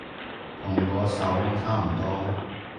同嗰首差唔多